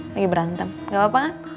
lagi berantem gak apa apa